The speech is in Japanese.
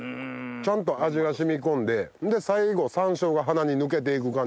ちゃんと味が染み込んで最後山椒が鼻に抜けていく感じ。